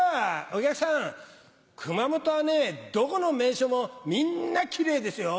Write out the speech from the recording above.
お客さん熊本はねどこの名所もみんなキレイですよ。